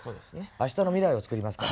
明日の未来を作りますから。